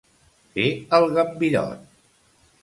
Fer el gambirot.